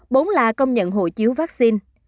bốn là công nhận hộ chiếu vaccine